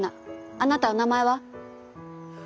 あなたお名前は？